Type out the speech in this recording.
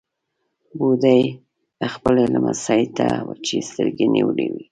بوډۍ خپلې لمسۍ ته وچې سترګې نيولې وې.